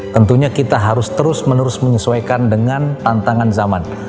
tentunya kita harus terus menerus menyesuaikan dengan tantangan zaman